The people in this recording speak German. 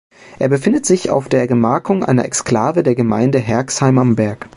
Er befindet sich auf der Gemarkung einer Exklave der Gemeinde Herxheim am Berg.